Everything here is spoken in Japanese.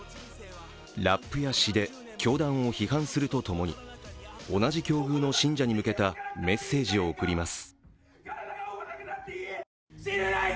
ラップや詩で教団を批判するとともに同じ境遇の信者に向けたメッセージを送ります。